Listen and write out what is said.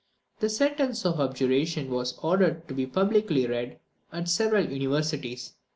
The sentence of abjuration was ordered to be publicly read at several universities.